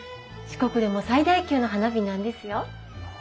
四国でも最大級の花火なんですよ。